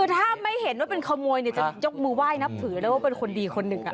คือถ้าไม่เห็นว่าเป็นขโมยเนี่ยจะยกมือไหว้นับถือแล้วว่าเป็นคนดีคนหนึ่ง